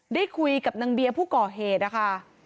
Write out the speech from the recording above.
ได้คุยกับนางเบียร์ผู้ก่อเหตุนะคะ